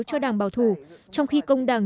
cho đảng bảo thủ trong khi công đảng